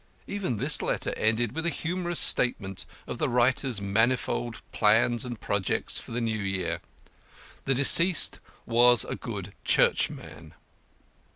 Even this letter ended with a humorous statement of the writer's manifold plans and projects for the New Year. The deceased was a good Churchman.